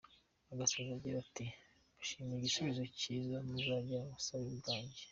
Agasoza agira ati “Mbashimiye igisubizo cyiza muzagenera ubusabe bwanjye.